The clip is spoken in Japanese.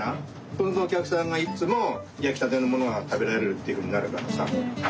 そうするとおきゃくさんがいっつもやきたてのものがたべられるっていうふうになるからさ。